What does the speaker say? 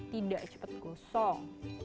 tidak cepat gosong